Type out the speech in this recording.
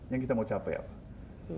yang kita mau capai apa